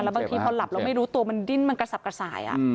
บางทีพอหลับแล้วไม่รู้ตัวมันดิ้นมันกระสับกระสาย